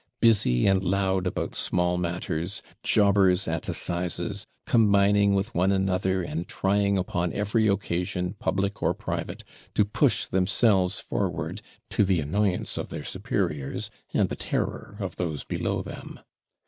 Busy and loud about small matters; JOBBERS AT ASSIZES, combining with one another, and trying upon every occasion, public or private, to push themselves forward, to the annoyance of their superiors, and the terror of those below them.